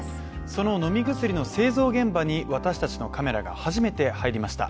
その飲み薬の製造現場に私たちのカメラが初めて入りました。